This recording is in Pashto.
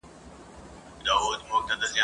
چا ویل چي ستا له کوڅې لیري به برباد سمه !.